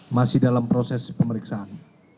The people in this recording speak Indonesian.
masih dalam proses pemeriksaan